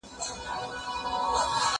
زه به سبا کښېناستل کوم!.